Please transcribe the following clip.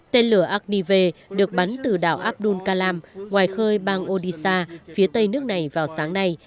tên lửa agnive được bắn từ đảo abdul kalam ngoài khơi bang odisha phía tây nước này vào sáng nay